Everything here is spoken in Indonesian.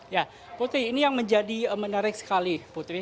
ya putri ini yang menjadi menarik sekali putri